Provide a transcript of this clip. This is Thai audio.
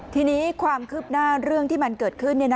ทีนี้ความคืบหน้าเรื่องที่มันเกิดขึ้น